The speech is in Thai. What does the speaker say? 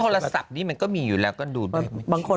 ก็ในโทรศัพท์นี้มันก็มีอยู่แล้วก็ดูด้วย